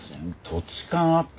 土地勘あったんだ。